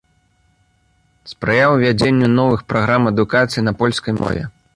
Спрыяў увядзенню новых праграм адукацыі на польскай мове.